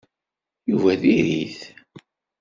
Yuba diri-t.